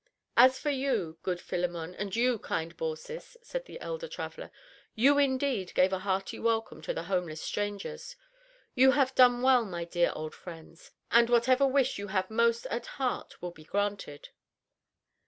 "As for you, good Philemon, and you, kind Baucis," said the elder traveler, "you, indeed, gave a hearty welcome to the homeless strangers. You have done well, my dear old friends, and whatever wish you have most at heart will be granted."